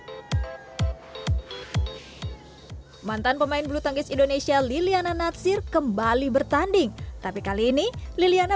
hai mantan pemain bluetangkis indonesia liliana natsir kembali bertanding tapi kali ini liliana